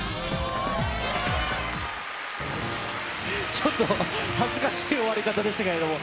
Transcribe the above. ちょっと、恥ずかしい終わり方でしたけれども。